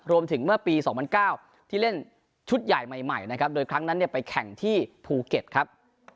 เมื่อปี๒๐๐๙ที่เล่นชุดใหญ่ใหม่นะครับโดยครั้งนั้นไปแข่งที่ภูเก็ตครับ